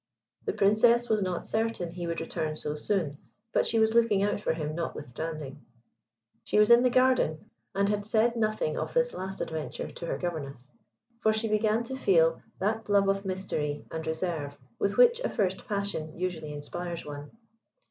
The Princess was not certain he would return so soon, but she was looking out for him, notwithstanding. She was in the garden, and had said nothing of this last adventure to her Governess, for she began to feel that love of mystery and reserve with which a first passion usually inspires one.